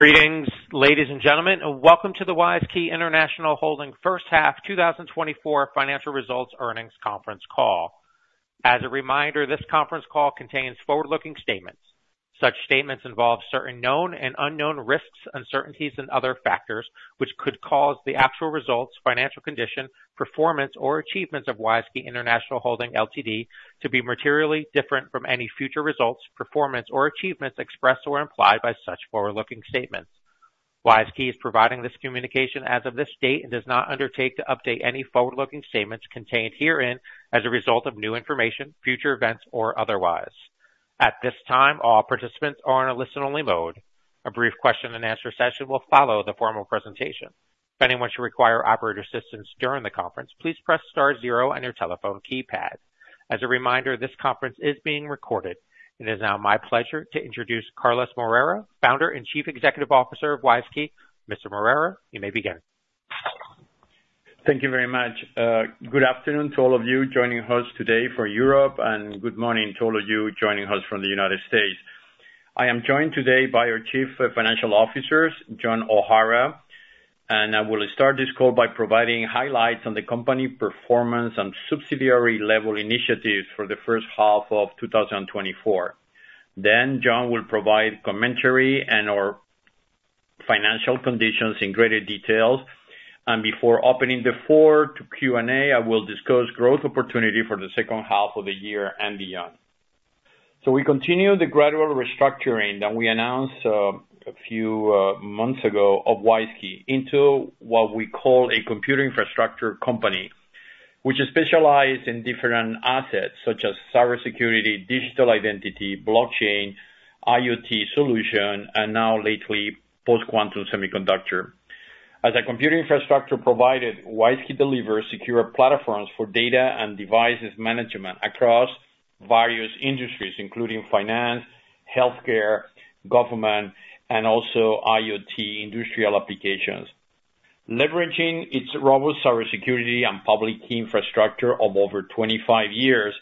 Greetings, ladies and gentlemen, and welcome to the WISeKey International Holding Ltd First Half 2024 Financial Results Earnings Conference Call. As a reminder, this conference call contains forward-looking statements. Such statements involve certain known and unknown risks, uncertainties, and other factors which could cause the actual results, financial condition, performance, or achievements of WISeKey International Holding Ltd to be materially different from any future results, performance, or achievements expressed or implied by such forward-looking statements. WISeKey is providing this communication as of this date and does not undertake to update any forward-looking statements contained herein as a result of new information, future events, or otherwise. At this time, all participants are in a listen-only mode. A brief question and answer session will follow the formal presentation. If anyone should require operator assistance during the conference, please press star zero on your telephone keypad. As a reminder, this conference is being recorded. It is now my pleasure to introduce Carlos Moreira, Founder and Chief Executive Officer of WISeKey. Mr. Moreira, you may begin. Thank you very much. Good afternoon to all of you joining us today for Europe, and good morning to all of you joining us from the United States. I am joined today by our Chief Financial Officers, John O'Hara, and I will start this call by providing highlights on the company performance and subsidiary-level initiatives for the first half of 2024-four. Then John will provide commentary and our financial conditions in greater details. Before opening the floor to Q&A, I will discuss growth opportunity for the second half of the year and beyond. We continue the gradual restructuring that we announced a few months ago of WISeKey into what we call a computer infrastructure company, which is specialized in different assets such as cybersecurity, digital identity, blockchain, IoT solution, and now lately, post-quantum semiconductor. As a computing infrastructure provider, WISeKey delivers secure platforms for data and devices management across various industries, including finance, healthcare, government, and also IoT industrial applications. Leveraging its robust cybersecurity and public key infrastructure of over 25 years,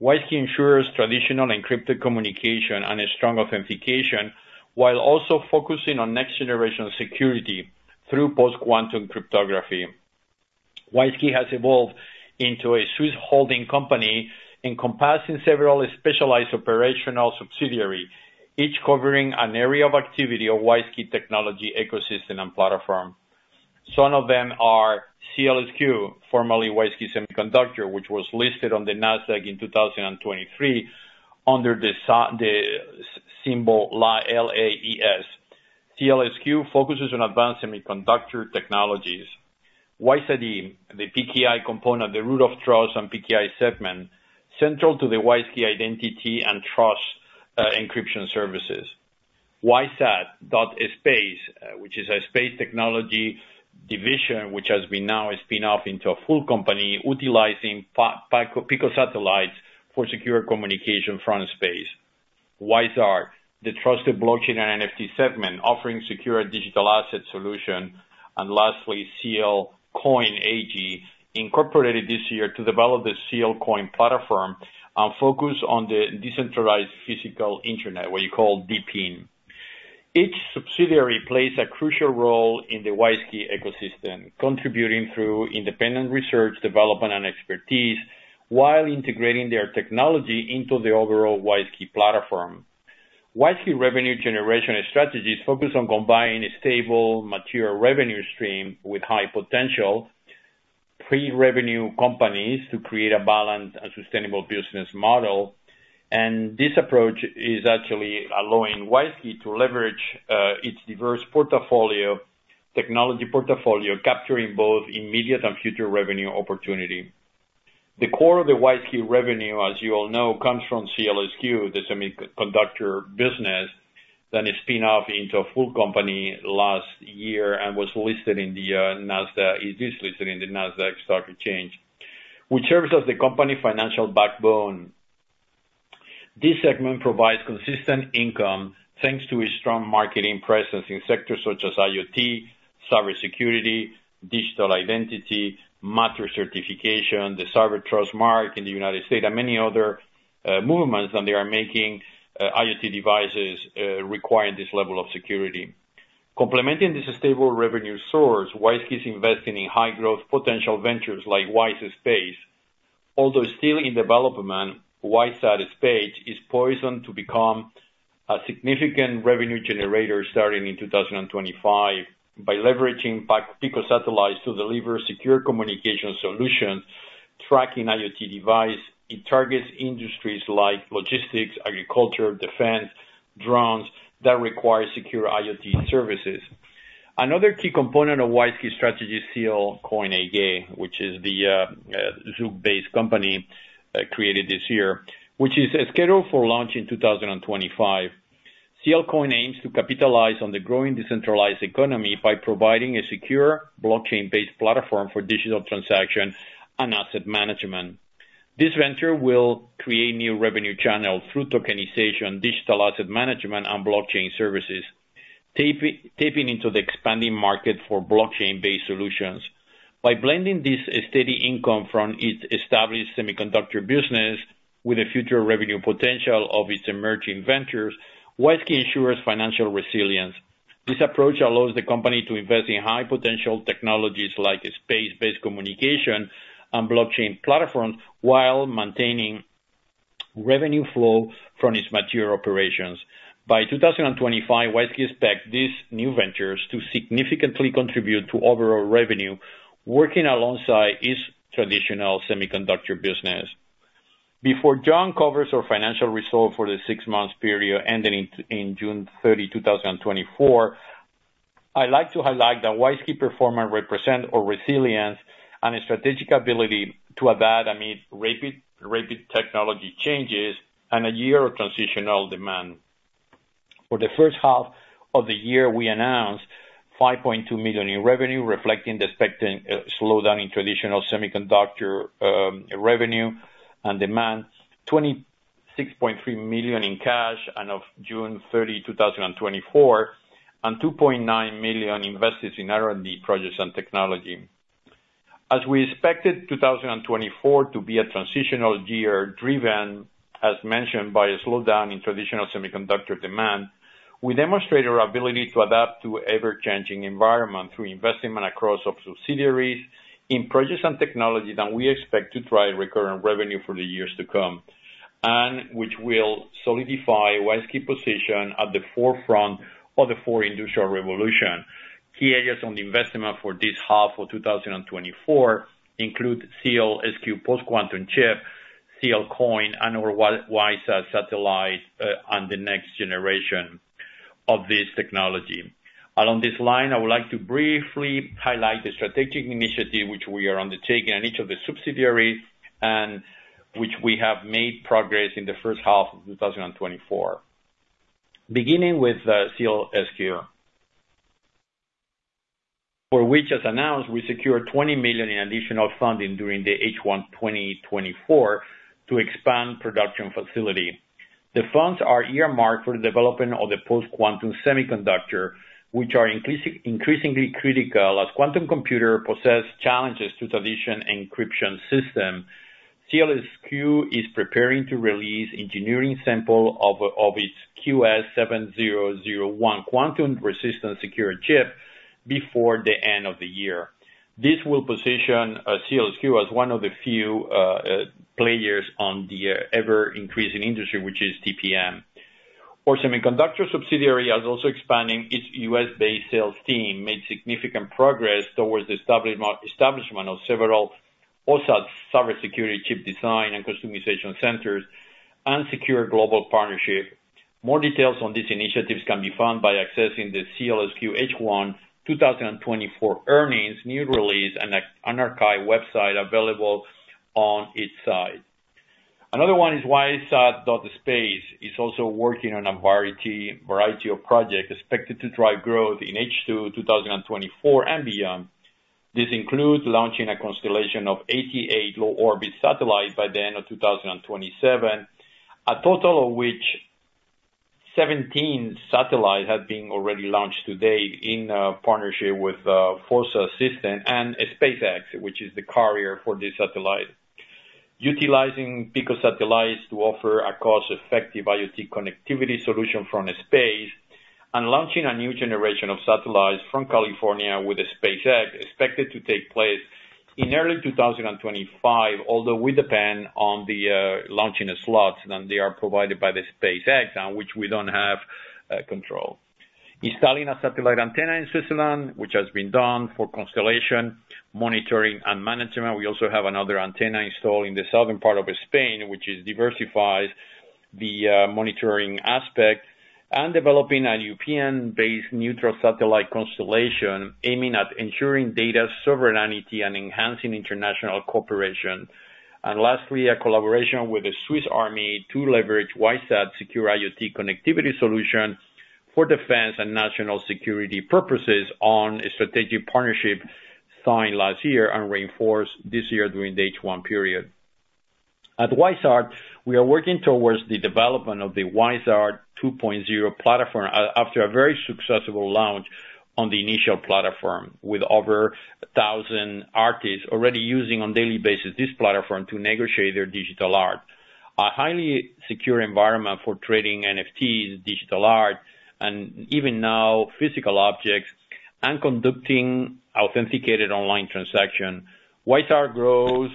WISeKey ensures traditional encrypted communication and strong authentication, while also focusing on next-generation security through post-quantum cryptography. WISeKey has evolved into a Swiss holding company, encompassing several specialized operational subsidiaries, each covering an area of activity of WISeKey technology, ecosystem, and platform. Some of them are SEALSQ, formerly WISeKey Semiconductor, which was listed on the NASDAQ in 2023 under the symbol LAES. SEALSQ focuses on advanced semiconductor technologies. WISeID, the PKI component, the root of trust and PKI segment, central to the WISeKey identity and trust, encryption services. WISeSat.Space, which is a space technology division, which has been now spun off into a full company utilizing picosatellites for secure communication from space. WISeArt, the trusted blockchain and NFT segment, offering secure digital asset solution. And lastly, SEALCOIN AG, incorporated this year to develop the SEALCOIN platform and focus on the decentralized physical internet, what you call DePIN. Each subsidiary plays a crucial role in the WISeKey ecosystem, contributing through independent research, development, and expertise while integrating their technology into the overall WISeKey platform. WISeKey revenue generation strategies focus on combining a stable material revenue stream with high potential pre-revenue companies to create a balanced and sustainable business model. And this approach is actually allowing WISeKey to leverage its diverse portfolio, technology portfolio, capturing both immediate and future revenue opportunity. The core of the WISeKey revenue, as you all know, comes from SEALSQ, the semiconductor business, that was spun off into a full company last year and was listed in the NASDAQ. It is listed in the NASDAQ Stock Exchange, which serves as the company financial backbone. This segment provides consistent income, thanks to a strong marketing presence in sectors such as IoT, cybersecurity, digital identity, Matter certification, the Cyber Trust Mark in the United States, and many other movements that they are making, IoT devices requiring this level of security. Complementing this stable revenue source, WISeKey is investing in high-growth potential ventures like WISeSat.Space. Although still in development, WISeSat.Space is poised to become a significant revenue generator starting in 2025 by leveraging picosatellites to deliver secure communication solutions, tracking IoT devices. It targets industries like logistics, agriculture, defense, drones, that require secure IoT services. Another key component of WISeKey's strategy is SEALCOIN AG, which is the Zug-based company created this year, which is scheduled for launch in 2025. SEALCOIN aims to capitalize on the growing decentralized economy by providing a secure, blockchain-based platform for digital transaction and asset management. This venture will create new revenue channels through tokenization, digital asset management, and blockchain services, tapping into the expanding market for blockchain-based solutions. By blending this steady income from its established semiconductor business with the future revenue potential of its emerging ventures, WISeKey ensures financial resilience. This approach allows the company to invest in high potential technologies like space-based communication and blockchain platforms, while maintaining revenue flow from its material operations. By 2025, WISeKey expects these new ventures to significantly contribute to overall revenue, working alongside its traditional semiconductor business. Before John covers our financial results for the six-month period ending June 30, 2024, I'd like to highlight that WISeKey performance represents our resilience and a strategic ability to adapt amid rapid technology changes and a year of transitional demand. For the first half of the year, we announced $5.2 million in revenue, reflecting the expected slowdown in traditional semiconductor revenue and demand, $26.3 million in cash as of June 30, 2024, and $2.9 million invested in R&D projects and technology. As we expected 2024 to be a transitional year, driven, as mentioned, by a slowdown in traditional semiconductor demand, we demonstrated our ability to adapt to ever-changing environment through investment across our subsidiaries in projects and technology that we expect to drive recurrent revenue for the years to come, and which will solidify WISeKey's position at the forefront of the Fourth Industrial Revolution. Key areas on the investment for this half of 2024 include SEALSQ post-quantum chip, SEALCOIN, and our WISeSat satellite, and the next generation of this technology. Along this line, I would like to briefly highlight the strategic initiative which we are undertaking in each of the subsidiaries, and which we have made progress in the first half of 2024. Beginning with SEALSQ, for which, as announced, we secured $20 million in additional funding during the H1 2024 to expand production facility. The funds are earmarked for the development of the post-quantum semiconductor, which are increasingly critical as quantum computer possess challenges to traditional encryption system. SEALSQ is preparing to release engineering sample of its QS7001 quantum resistant secure chip before the end of the year. This will position SEALSQ as one of the few players on the ever-increasing industry, which is TPM. Our semiconductor subsidiary is also expanding its U.S.-based sales team, made significant progress towards the establishment of several OSAT cyber security chip design and customization centers and secure global partnership. More details on these initiatives can be found by accessing the SEALSQ H1 2024 earnings news release and on our archive website, available on its site. Another one is WISeSat.Space is also working on a variety of projects expected to drive growth in H2 2024 and beyond. This includes launching a constellation of 88 low orbit satellites by the end of 2027, a total of which 17 satellites have been already launched today in a partnership with FOSSA Systems and SpaceX, which is the carrier for the satellite. Utilizing picosatellites to offer a cost-effective IoT connectivity solution from space, and launching a new generation of satellites from California with SpaceX, expected to take place in early 2025, although we depend on the launching slots that they are provided by the SpaceX, on which we don't have control. Installing a satellite antenna in Switzerland, which has been done for constellation monitoring and management. We also have another antenna installed in the southern part of Spain, which diversifies the monitoring aspect, and developing a European-based neutral satellite constellation, aiming at ensuring data sovereignty and enhancing international cooperation. Lastly, a collaboration with the Swiss Army to leverage WISeSat secure IoT connectivity solution for defense and national security purposes on a strategic partnership signed last year and reinforced this year during the H1 period. At WISeArt, we are working towards the development of the WISeArt 2.0 platform after a very successful launch on the initial platform, with over a thousand artists already using on daily basis, this platform to negotiate their digital art. A highly secure environment for trading NFTs, digital art, and even now, physical objects, and conducting authenticated online transaction. WISeArt growth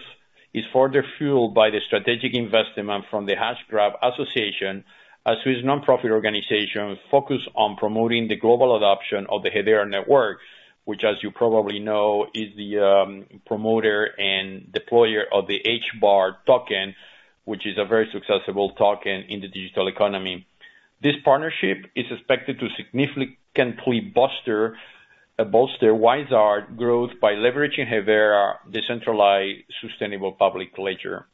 is further fueled by the strategic investment from the Hashgraph Association, a Swiss nonprofit organization focused on promoting the global adoption of the Hedera network, which, as you probably know, is the promoter and deployer of the HBAR token, which is a very successful token in the digital economy. This partnership is expected to significantly bolster WISeArt growth by leveraging Hedera decentralized, sustainable public ledger.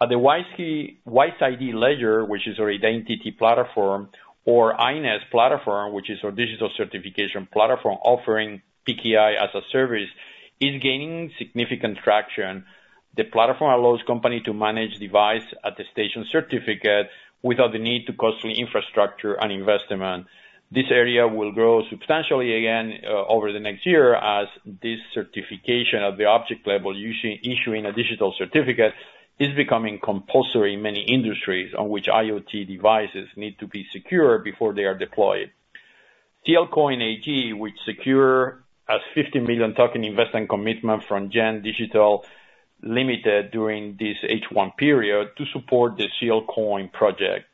At the WISeID ledger, which is our identity platform, or INeS platform, which is our digital certification platform, offering PKI as a service, is gaining significant traction. The platform allows companies to manage device attestation certificates without the need for costly infrastructure and investment. This area will grow substantially again over the next year, as this certification of the object level, issuing a digital certificate is becoming compulsory in many industries on which IoT devices need to be secure before they are deployed. SEALCOIN AG, which secured a $50 million token investment commitment from GEM Digital Limited during this H1 period to support the SEALCOIN project.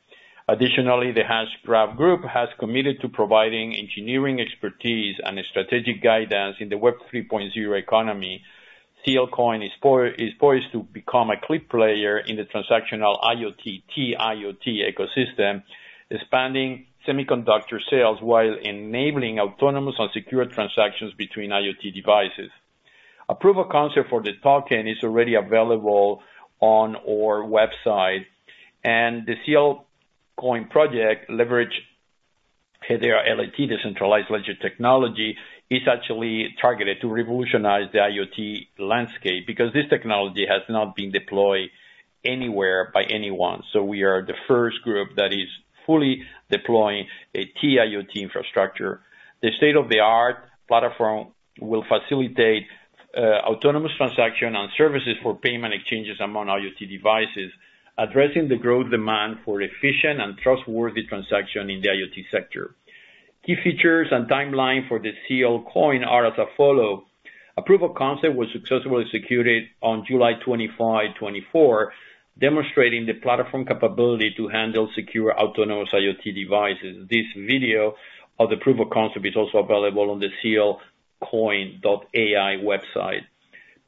Additionally, the Hashgraph Association has committed to providing engineering expertise and strategic guidance in the Web 3.0 economy. SEALCOIN is poised to become a key player in the transactional IoT, T-IoT ecosystem, expanding semiconductor sales while enabling autonomous and secure transactions between IoT devices. Approval concept for the token is already available on our website, and the SEALCOIN project leverage Hedera's DLT, decentralized ledger technology, is actually targeted to revolutionize the IoT landscape because this technology has not been deployed anywhere by anyone. We are the first group that is fully deploying a T-IoT infrastructure. The state-of-the-art platform will facilitate autonomous transaction and services for payment exchanges among IoT devices, addressing the growing demand for efficient and trustworthy transaction in the IoT sector. Key features and timeline for the SEALCOIN are as follow: approval concept was successfully secured on July 2025, 2024, demonstrating the platform capability to handle secure autonomous IoT devices. This video of the proof of concept is also available on the sealcoin.ai website.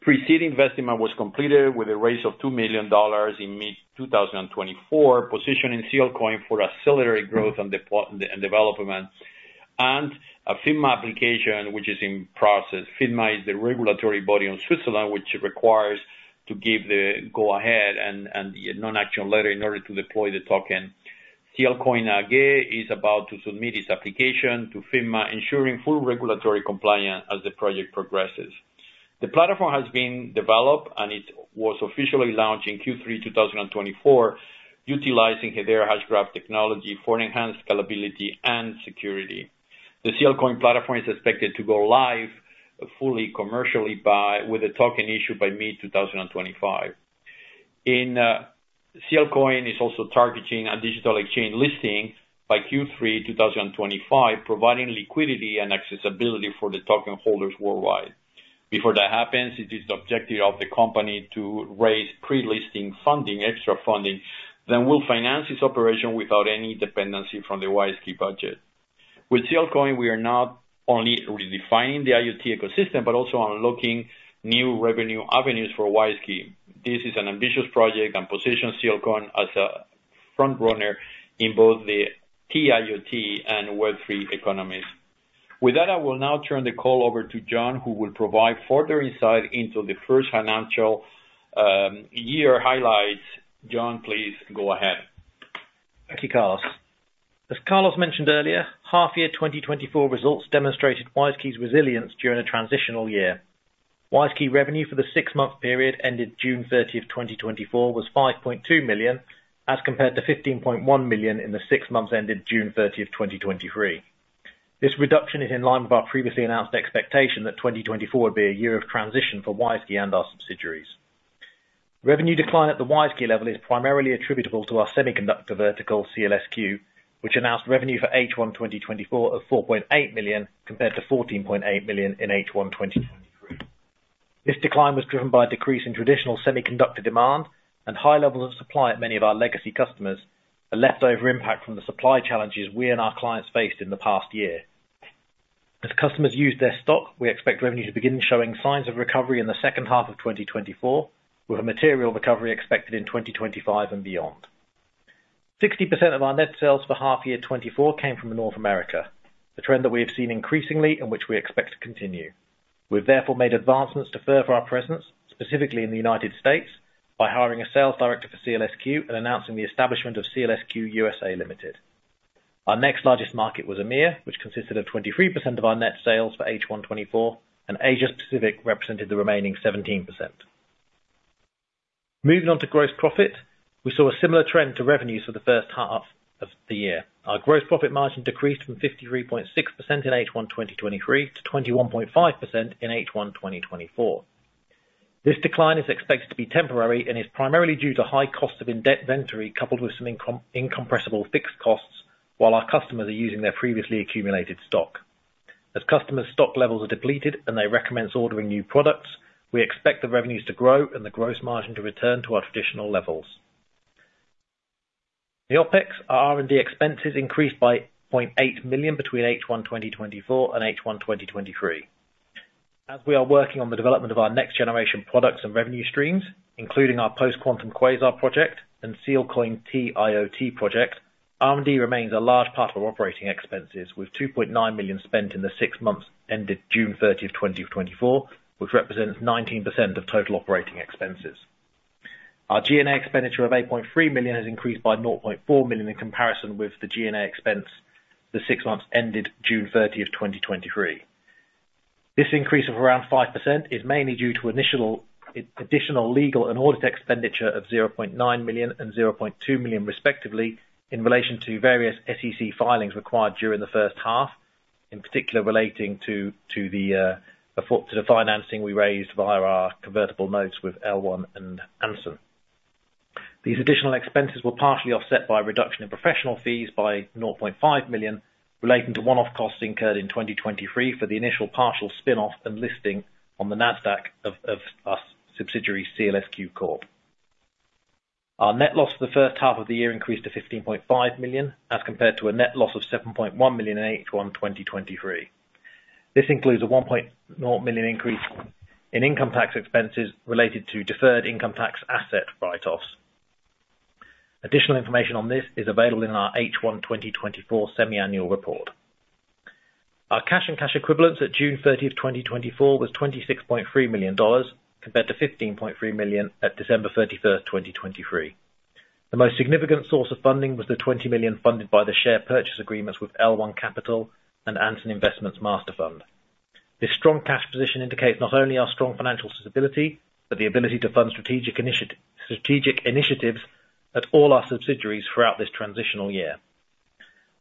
Pre-seed investment was completed with a raise of $2 million in mid-2024, positioning SEALCOIN for accelerated growth and development. A FINMA application, which is in process. FINMA is the regulatory body in Switzerland, which requires to give the go ahead and the non-action letter in order to deploy the token. SEALCOIN AG is about to submit its application to FINMA, ensuring full regulatory compliance as the project progresses. The platform has been developed, and it was officially launched in Q3 2024, utilizing Hedera Hashgraph technology for enhanced scalability and security. The SEALCOIN platform is expected to go live fully commercially by, with a token issue by mid 2025. SEALCOIN is also targeting a digital exchange listing by Q3 2025, providing liquidity and accessibility for the token holders worldwide. Before that happens, it is the objective of the company to raise pre-listing funding, extra funding, then we'll finance its operation without any dependency from the WISeKey budget. With SEALCOIN, we are not only redefining the IoT ecosystem, but also unlocking new revenue avenues for WISeKey. This is an ambitious project and positions SEALCOIN as a front runner in both the T-IoT and Web3 economies. With that, I will now turn the call over to John, who will provide further insight into the first financial year highlights. John, please go ahead. Thank you, Carlos. As Carlos mentioned earlier, half year 2024 results demonstrated WISeKey's resilience during a transitional year. WISeKey revenue for the six-month period ended June 30th, 2024, was $5.2 million, as compared to $15.1 million in the six months ended June 30th, 2023. This reduction is in line with our previously announced expectation that 2024 would be a year of transition for WISeKey and our subsidiaries. Revenue decline at the WISeKey level is primarily attributable to our semiconductor vertical, SEALSQ, which announced revenue for H1 2024 of $4.8 million, compared to $14.8 million in H1 2023. This decline was driven by a decrease in traditional semiconductor demand and high levels of supply at many of our legacy customers, a leftover impact from the supply challenges we and our clients faced in the past year. As customers use their stock, we expect revenue to begin showing signs of recovery in the second half of 2024, with a material recovery expected in 2025 and beyond. 60% of our net sales for H1 2024 came from North America, a trend that we have seen increasingly and which we expect to continue. We've therefore made advancements to further our presence, specifically in the United States, by hiring a sales director for SEALSQ and announcing the establishment of SEALSQ USA Limited. Our next largest market was EMEA, which consisted of 23% of our net sales for H1 2024, and Asia Pacific represented the remaining 17%. Moving on to gross profit, we saw a similar trend to revenues for the first half of the year. Our gross profit margin decreased from 53.6% in H1 2023 to 21.5% in H1 2024. This decline is expected to be temporary and is primarily due to high costs of inventory, coupled with some incompressible fixed costs, while our customers are using their previously accumulated stock. As customers' stock levels are depleted and they recommend ordering new products, we expect the revenues to grow and the gross margin to return to our traditional levels. The OpEx, our R&D expenses increased by $0.8 million between H1 2024 and H1 2023. As we are working on the development of our next generation products and revenue streams, including our post-quantum Quasar project and SEALCOIN T-IoT project, R&D remains a large part of our operating expenses, with $2.9 million spent in the six months ended June 30th, 2024, which represents 19% of total operating expenses. Our G&A expenditure of $8.3 million has increased by $0.4 million in comparison with the G&A expense the six months ended June 30th, 2023. This increase of around 5% is mainly due to initial, additional legal and audit expenditure of $0.9 million and $0.2 million respectively, in relation to various SEC filings required during the first half, in particular relating to the financing we raised via our convertible notes with L1 and Anson. These additional expenses were partially offset by a reduction in professional fees by $0.5 million, relating to one-off costs incurred in 2023 for the initial partial spin-off and listing on the NASDAQ of our subsidiary, SEALSQ Corp. Our net loss for the first half of the year increased to $15.5 million, as compared to a net loss of $7.1 million in H1 2023. This includes a $1.0 million increase in income tax expenses related to deferred income tax asset write-offs. Additional information on this is available in our H1 2024 semiannual report. Our cash and cash equivalents at June 30, 2024, was $26.3 million, compared to $15.3 million at December 31st, 2023. The most significant source of funding was the $20 million funded by the share purchase agreements with L1 Capital and Anson Investments Master Fund. This strong cash position indicates not only our strong financial stability, but the ability to fund strategic initiatives at all our subsidiaries throughout this transitional year.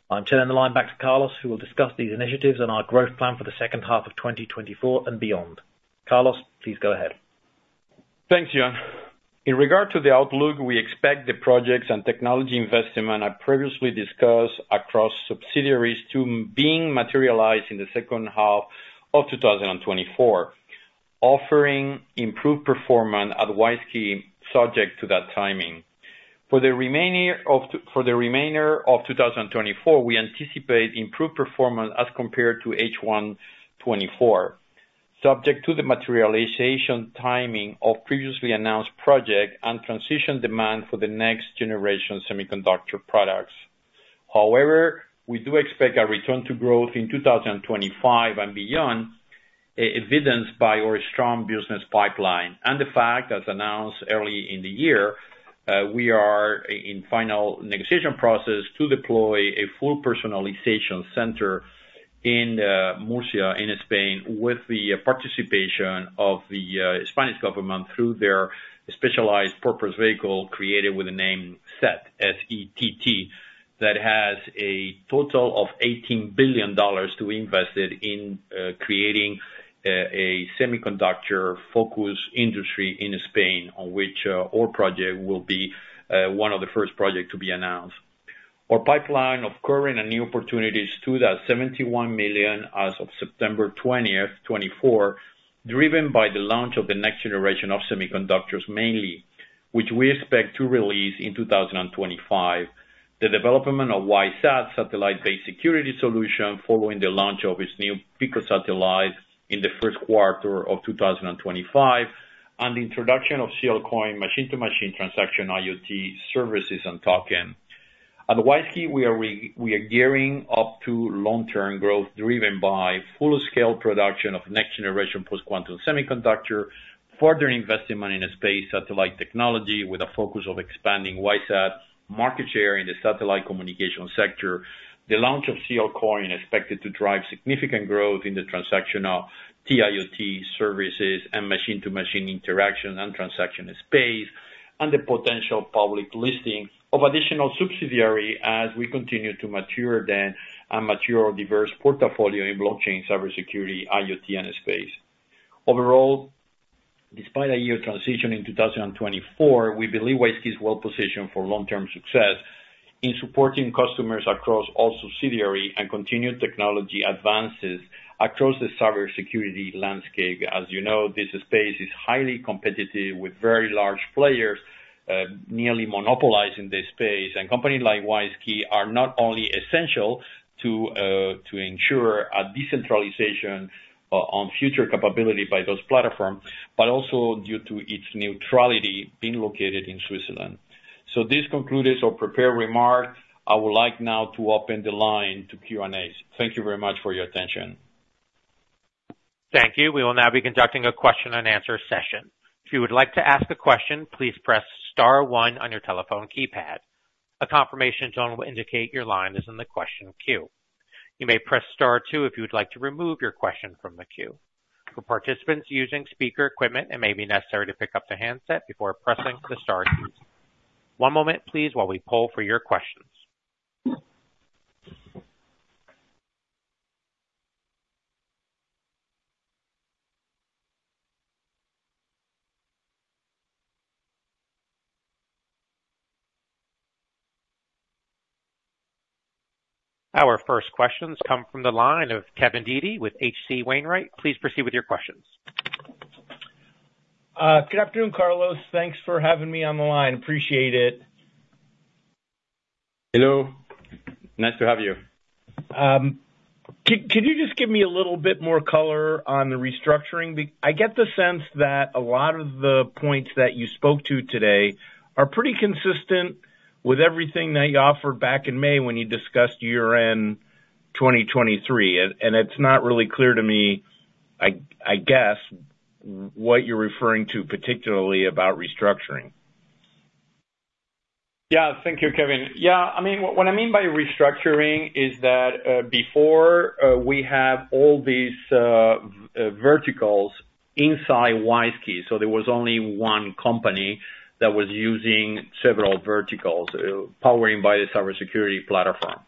I'll turn the line back to Carlos, who will discuss these initiatives and our growth plan for the second half of 2024 and beyond. Carlos, please go ahead. Thanks, John. In regard to the outlook, we expect the projects and technology investment I previously discussed across subsidiaries to being materialized in the second half of 2024, offering improved performance at WISeKey, subject to that timing. For the remainder of 2024, we anticipate improved performance as compared to H1 2024, subject to the materialization timing of previously announced project and transition demand for the next generation semiconductor products. However, we do expect a return to growth in 2025 and beyond, evidenced by our strong business pipeline, and the fact, as announced early in the year, we are in final negotiation process to deploy a full personalization center in, Murcia, in Spain, with the participation of the Spanish government through their specialized purpose vehicle, created with the name SETT, S-E-T-T, that has a total of $18 billion to be invested in creating a semiconductor focus industry in Spain, on which our project will be one of the first projects to be announced. Our pipeline of current and new opportunities stood at $71 million as of September 20th, 2024, driven by the launch of the next generation of semiconductors, mainly, which we expect to release in 2025, the development of WISeSat, satellite-based security solution, following the launch of its new picosatellite in the first quarter of 2025, and the introduction of SEALCOIN, machine-to-machine transaction, IoT services, and token. At WISeKey, we are gearing up to long-term growth, driven by full-scale production of next-generation post-quantum semiconductor, further investment in a space satellite technology with a focus of expanding WISeSat market share in the satellite communication sector. The launch of SEALCOIN is expected to drive significant growth in the transaction of T-IoT services and machine-to-machine interaction and transaction space, and the potential public listing of additional subsidiaries as we continue to mature them, and mature a diverse portfolio in blockchain, cybersecurity, IoT, and space. Overall, despite a year of transition in 2024, we believe WISeKey is well positioned for long-term success in supporting customers across all subsidiaries and continued technology advances across the cybersecurity landscape. As you know, this space is highly competitive, with very large players nearly monopolizing this space. Companies like WISeKey are not only essential to ensure a decentralization on future capability by those platforms, but also due to its neutrality being located in Switzerland. This concludes our prepared remarks. I would like now to open the line to Q&A. Thank you very much for your attention. Thank you. We will now be conducting a question-and-answer session. If you would like to ask a question, please press star one on your telephone keypad. A confirmation tone will indicate your line is in the question queue. You may press star two if you would like to remove your question from the queue. For participants using speaker equipment, it may be necessary to pick up the handset before pressing the star key. One moment, please, while we poll for your questions. Our first questions come from the line of Kevin Dede with H.C. Wainwright. Please proceed with your questions. Good afternoon, Carlos. Thanks for having me on the line. Appreciate it. Hello. Nice to have you. Could you just give me a little bit more color on the restructuring? I get the sense that a lot of the points that you spoke to today are pretty consistent with everything that you offered back in May when you discussed year-end 2023. It's not really clear to me. I guess what you're referring to particularly about restructuring? Yeah. Thank you, Kevin. Yeah, I mean, what I mean by restructuring is that, before, we have all these verticals inside WISeKey, so there was only one company that was using several verticals, powering by the cybersecurity platform.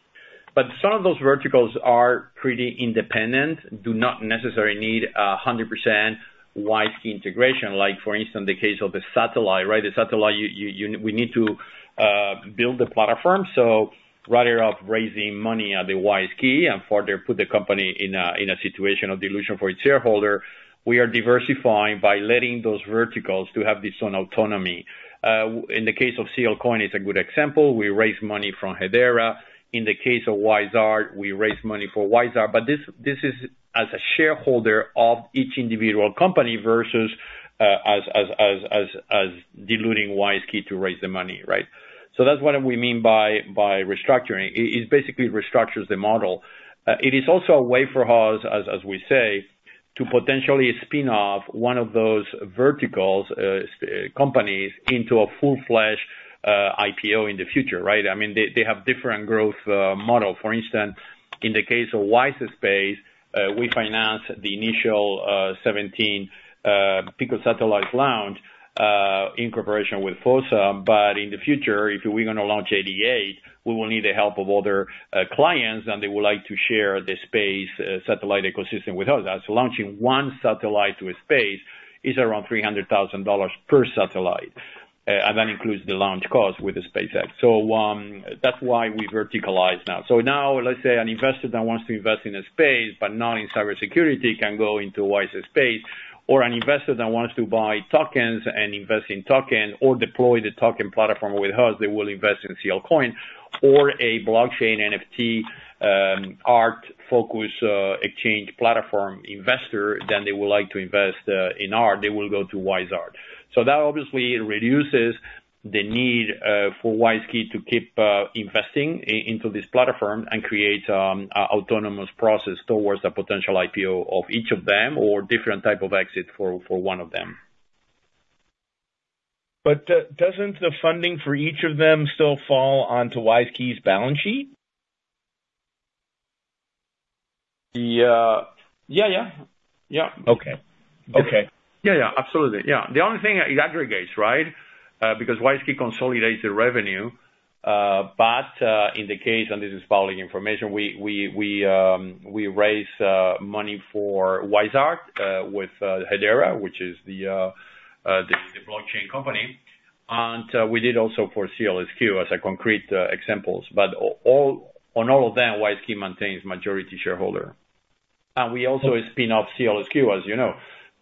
But some of those verticals are pretty independent, do not necessarily need 100% WISeKey integration, like for instance, the case of the satellite, right? The satellite, we need to build the platform. So rather than raising money at the WISeKey and further put the company in a situation of dilution for its shareholder, we are diversifying by letting those verticals to have its own autonomy. In the case of SEALCOIN, it's a good example, we raised money from Hedera. In the case of WISeArt, we raised money for WISeArt. But this is as a shareholder of each individual company versus as diluting WISeKey to raise the money, right? So that's what we mean by restructuring. It basically restructures the model. It is also a way for us, as we say, to potentially spin off one of those verticals, companies into a full-fledged IPO in the future, right? I mean, they have different growth model. For instance, in the case of WISeSat.Space, we finance the initial 17 picosatellite launch in cooperation with FOSSA. But in the future, if we're gonna launch 88, we will need the help of other clients, and they would like to share the space satellite ecosystem with us. Launching one satellite to space is around $300,000 per satellite, and that includes the launch cost with SpaceX. That's why we verticalize now. Now, let's say an investor that wants to invest in space, but not in cybersecurity, can go into WISeSat.Space. Or an investor that wants to buy tokens and invest in token or deploy the token platform with us, they will invest in SEALCOIN, or a blockchain NFT, art-focused, exchange platform investor, then they would like to invest in art, they will go to WISeArt. That obviously reduces the need for WISeKey to keep investing into this platform and create a autonomous process towards a potential IPO of each of them, or different type of exit for one of them. But, doesn't the funding for each of them still fall onto WISeKey's balance sheet? Yeah, yeah. Yeah. Okay. Okay. Yeah, yeah. Absolutely. Yeah. The only thing it aggregates, right? Because WISeKey consolidates the revenue. But, in the case, and this is public information, we raised money for WISeArt with Hedera, which is the blockchain company, and we did also for SEALSQ, as concrete examples. But all on all of them, WISeKey maintains majority shareholder. And we also spin off SEALSQ, as you know,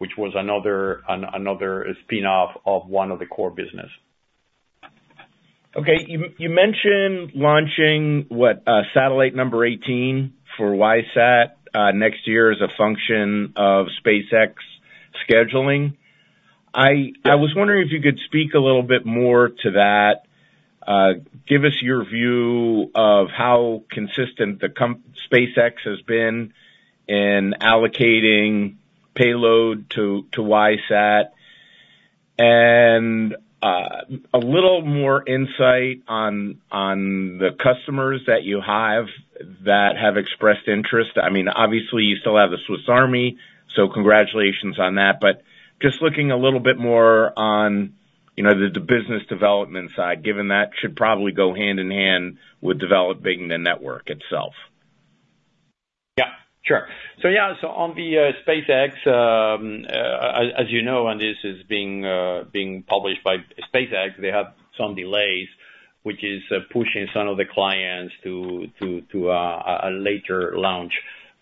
which was another spinoff of one of the core business. Okay. You mentioned launching, what? satellite number eighteen for WISeSat next year as a function of SpaceX scheduling. I was wondering if you could speak a little bit more to that. Give us your view of how consistent SpaceX has been in allocating payload to WISeSat, and a little more insight on the customers that you have that have expressed interest. I mean, obviously, you still have the Swiss Army, so congratulations on that. But just looking a little bit more on, you know, the business development side, given that should probably go hand in hand with developing the network itself. Yeah, sure. So yeah, so on the SpaceX, as you know, and this is being published by SpaceX, they have some delays, which is pushing some of the clients to a later launch.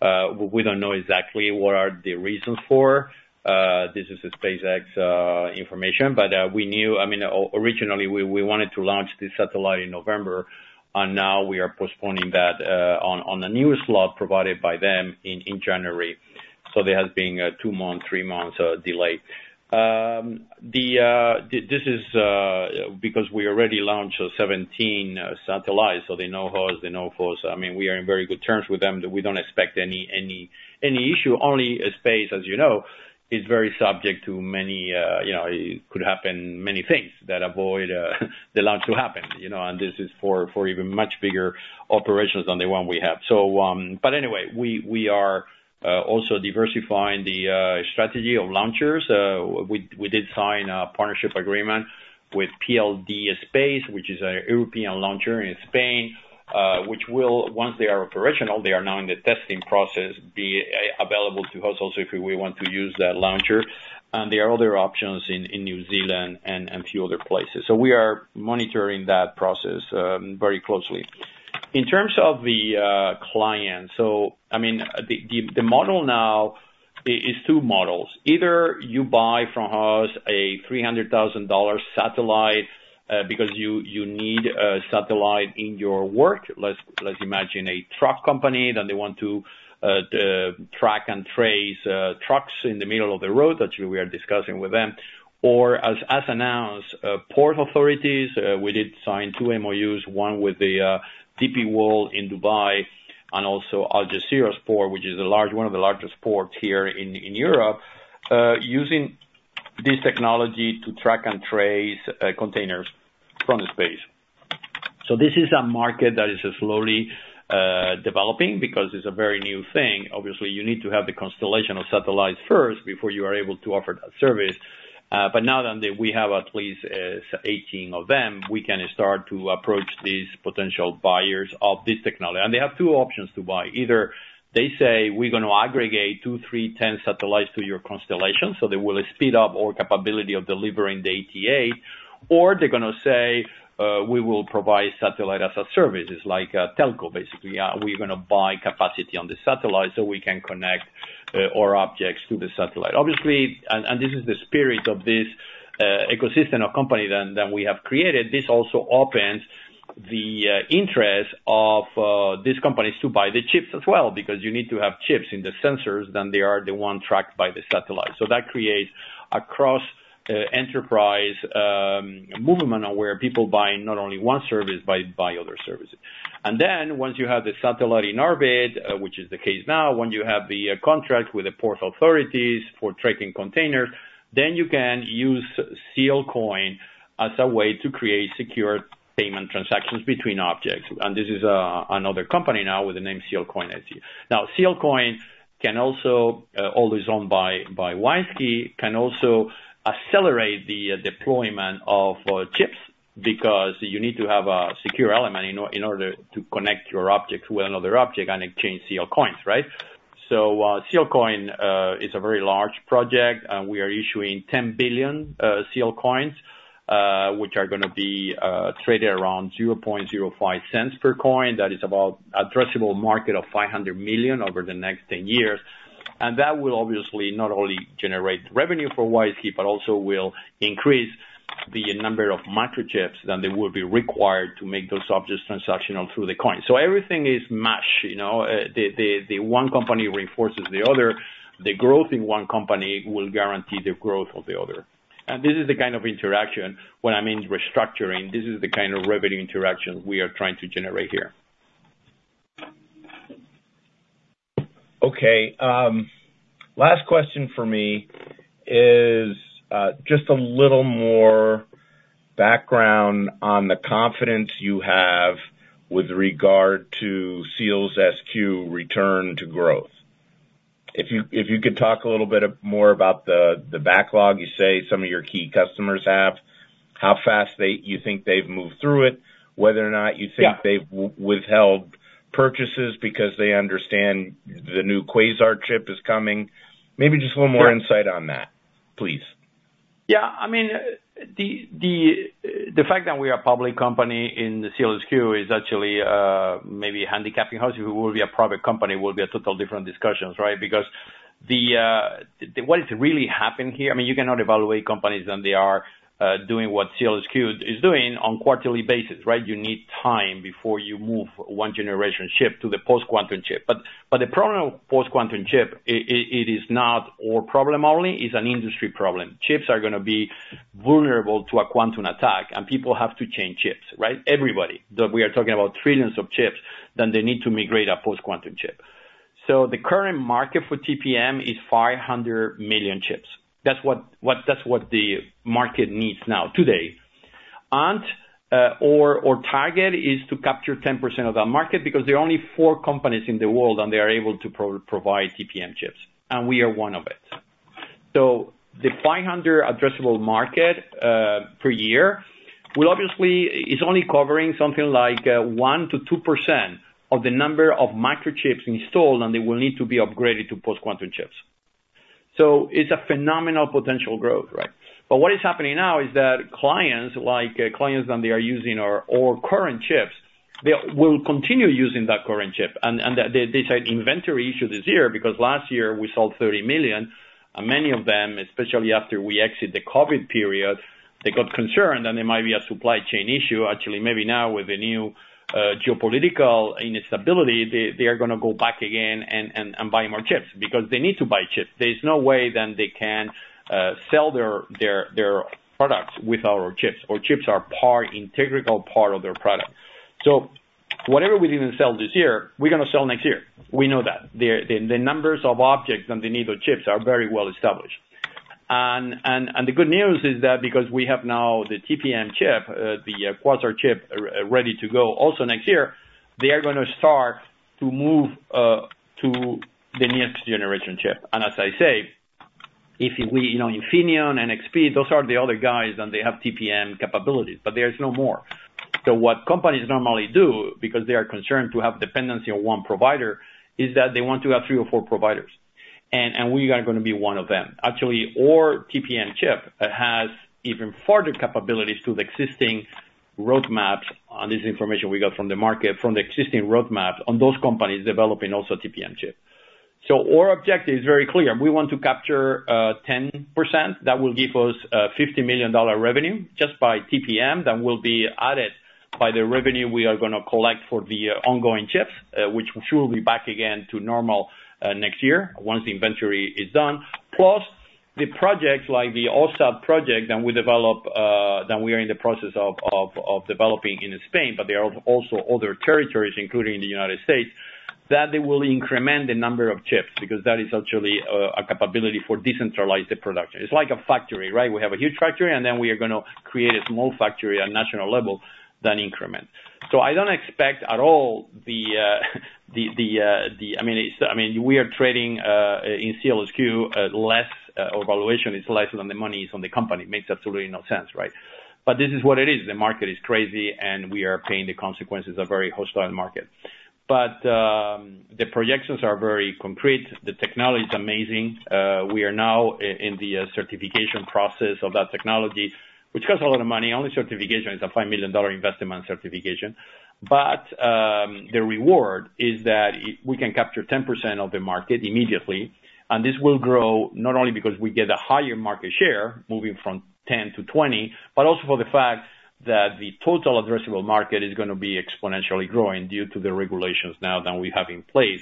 We don't know exactly what are the reasons for. This is a SpaceX information, but we knew-- I mean, originally, we wanted to launch this satellite in November, and now we are postponing that on the newest launch provided by them in January. So there has been a two-month, three-month delay. This is because we already launched 17 satellites, so they know us, they know us. I mean, we are in very good terms with them that we don't expect any issue, only as space, as you know, is very subject to many, you know, it could happen many things that avoid the launch to happen, you know, and this is for even much bigger operations than the one we have. So, but anyway, we are also diversifying the strategy of launchers. We did sign a partnership agreement with PLD Space, which is a European launcher in Spain, which will, once they are operational, they are now in the testing process, be available to us also, if we want to use that launcher, and there are other options in New Zealand and few other places. So we are monitoring that process very closely. In terms of the clients, so I mean, the model now is two models. Either you buy from us a $300,000 satellite, because you need a satellite in your work. Let's imagine a truck company, that they want to track and trace trucks in the middle of the road, that we are discussing with them, or as announced, port authorities, we did sign two MOUs, one with the DP World in Dubai, Algeciras Port, which is a large, one of the largest ports here in Europe, using this technology to track and trace containers from space. So this is a market that is slowly developing because it's a very new thing. Obviously, you need to have the constellation of satellites first before you are able to offer that service. But now that we have at least eighteen of them, we can start to approach these potential buyers of this technology. And they have two options to buy: either they say, "We're gonna aggregate two, three, ten satellites to your constellation," so they will speed up our capability of delivering the ATA. Or they're gonna say, "We will provide satellite as a service," it's like a telco, basically. We're gonna buy capacity on the satellite so we can connect our objects to the satellite. Obviously, and this is the spirit of this ecosystem of company that we have created, this also opens the interest of these companies to buy the chips as well, because you need to have chips in the sensors, that they are the ones tracked by the satellite. So that creates a cross, enterprise, movement on where people buy not only one service, but buy other services. And then once you have the satellite in orbit, which is the case now, when you have the contract with the port authorities for tracking containers, then you can use SEALCOIN as a way to create secure payment transactions between objects. And this is another company now with the name SEALCOIN AG. Now, SEALCOIN, also owned by WISeKey, can also accelerate the deployment of chips, because you need to have a secure element in order to connect your object with another object and exchange SEALCOINs, right? So, SEALCOIN is a very large project, and we are issuing 10 billion SEALCOINs, which are gonna be traded around 0.05 cents per coin. That is about addressable market of $500 million over the next 10 years. And that will obviously not only generate revenue for WISeKey, but also will increase the number of microchips that they will be required to make those objects transactional through the coin. So everything is match, you know? The one company reinforces the other. The growth in one company will guarantee the growth of the other. And this is the kind of interaction, when I mean restructuring, this is the kind of revenue interaction we are trying to generate here. Okay, last question for me is just a little more background on the confidence you have with regard to SEALSQ return to growth. If you could talk a little bit more about the backlog you say some of your key customers have, how fast you think they've moved through it, whether or not you think- Yeah... they've withheld purchases because they understand the new Quasar chip is coming. Maybe just a little more- Yeah... insight on that, please? Yeah. I mean, the fact that we are a public company in the SEALSQ is actually, maybe handicapping us. If we will be a private company, will be a total different discussions, right? Because the what is really happened here, I mean, you cannot evaluate companies than they are doing what SEALSQ is doing on quarterly basis, right? You need time before you move one generation chip to the post-quantum chip. But the problem with post-quantum chip, it is not our problem only, it's an industry problem. Chips are gonna be vulnerable to a quantum attack, and people have to change chips, right? Everybody. That we are talking about trillions of chips, then they need to migrate a post-quantum chip. So the current market for TPM is five hundred million chips. That's what the market needs now, today, and our target is to capture 10% of that market, because there are only four companies in the world, and they are able to provide TPM chips, and we are one of them, so the $500 million addressable market per year is only covering something like 1% to 2% of the number of microchips installed, and they will need to be upgraded to post-quantum chips, so it's a phenomenal potential growth, right, but what is happening now is that clients like that they are using our current chips, they will continue using that current chip. There's an inventory issue this year, because last year we sold 30 million, and many of them, especially after we exit the COVID period, they got concerned that there might be a supply chain issue. Actually, maybe now with the new geopolitical instability, they are gonna go back again and buy more chips, because they need to buy chips. There's no way that they can sell their products without our chips. Our chips are part, integral part of their product. So whatever we didn't sell this year, we're gonna sell next year. We know that. The numbers of objects that they need the chips are very well established. The good news is that because we have now the TPM chip, the Quasar chip ready to go also next year, they are gonna start to move to the next generation chip. As I say, you know, Infineon and NXP, those are the other guys, and they have TPM capabilities, but there's no more. So what companies normally do, because they are concerned to have dependency on one provider, is that they want to have three or four providers, and we are gonna be one of them. Actually, our TPM chip has even farther capabilities to the existing roadmaps on this information we got from the market, from the existing roadmaps on those companies developing also TPM chips. So our objective is very clear: we want to capture 10%. That will give us $50 million revenue just by TPM. That will be added by the revenue we are gonna collect for the ongoing chips, which should be back again to normal next year, once the inventory is done. Plus the projects like the OSAT project that we develop, that we are in the process of developing in Spain, but there are also other territories, including the United States, that they will increment the number of chips, because that is actually a capability for decentralized production. It's like a factory, right? We have a huge factory, and then we are gonna create a small factory at national level, then increment. So I don't expect at all the. I mean, we are trading in SEALSQ less. Our valuation is less than the money is on the company. Makes absolutely no sense, right? But this is what it is. The market is crazy, and we are paying the consequences of a very hostile market. But the projections are very concrete. The technology is amazing. We are now in the certification process of that technology, which costs a lot of money. Only certification is a $5 million investment on certification. We can capture 10% of the market immediately, and this will grow not only because we get a higher market share, moving from 10% to 20%, but also for the fact that the total addressable market is gonna be exponentially growing due to the regulations now that we have in place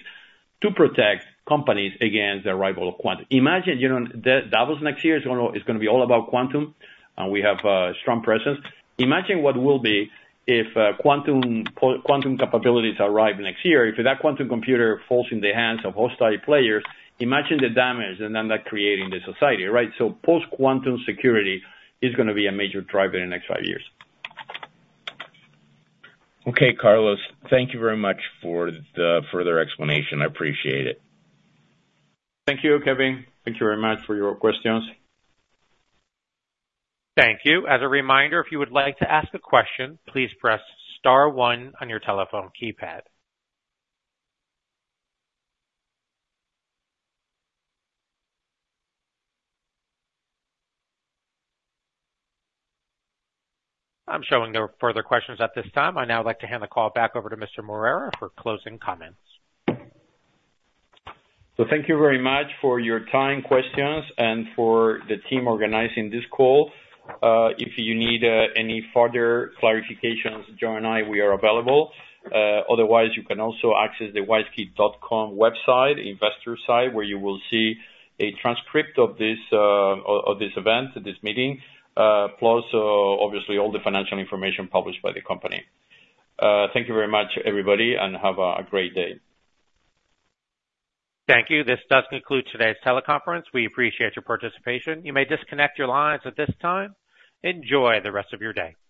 to protect companies against the arrival of quantum. Imagine, you know, it doubles next year. It's gonna be all about quantum, and we have strong presence. Imagine what will be if quantum capabilities arrive next year. If that quantum computer falls in the hands of hostile players, imagine the damage and then that create in the society, right? So post-quantum security is gonna be a major driver in the next five years. Okay, Carlos, thank you very much for the further explanation. I appreciate it. Thank you, Kevin. Thank you very much for your questions. Thank you. As a reminder, if you would like to ask a question, please press star one on your telephone keypad. I'm showing no further questions at this time. I'd now like to hand the call back over to Mr. Moreira for closing comments. So thank you very much for your time, questions, and for the team organizing this call. If you need any further clarifications, John and I, we are available. Otherwise, you can also access the WISeKey.com website, investor site, where you will see a transcript of this event, this meeting, plus, obviously, all the financial information published by the company. Thank you very much, everybody, and have a great day. Thank you. This does conclude today's teleconference. We appreciate your participation. You may disconnect your lines at this time. Enjoy the rest of your day.